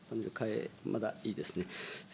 まだいいですね。